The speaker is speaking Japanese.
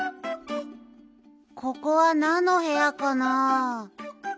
ここはなんのへやかな？